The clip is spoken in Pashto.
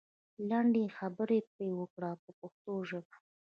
لنډې خبرې پرې وکړئ په پښتو ژبه.